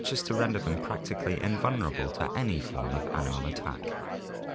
as to render them practically invulnerable to any form of animal attack.